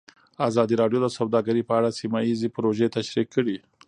ازادي راډیو د سوداګري په اړه سیمه ییزې پروژې تشریح کړې.